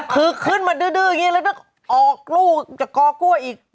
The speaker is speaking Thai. คือขึ้นมาดื้ออย่างนี้แล้วก็ออกลูกจากกอกล้วยอีก